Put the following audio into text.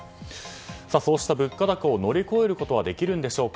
そうした物価高を乗り越えることはできるんでしょうか。